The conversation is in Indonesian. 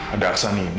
ada aksan ini